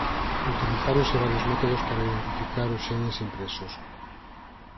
Utilizáronse varios métodos para identificar os xenes impresos.